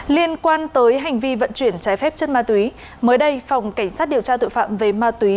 liên quan tới hành vi vận chuyển trái phép chất ma túy mới đây phòng cảnh sát điều tra tội phạm về ma túy